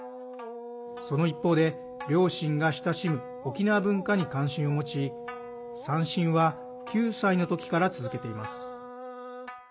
その一方で、両親が親しむ沖縄文化に関心を持ち三線は９歳の時から続けています。